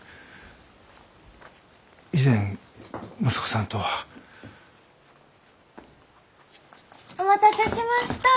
以前息子さんとは。お待たせしました！